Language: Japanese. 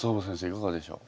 いかがでしょう？